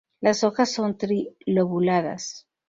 Las hojas son tri-lobuladas.